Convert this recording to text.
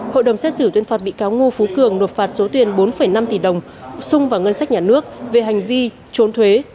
hội đồng xét xử tuyên phạt bị cáo ngô phú cường nộp phạt số tiền bốn năm tỷ đồng sung vào ngân sách nhà nước về hành vi trốn thuế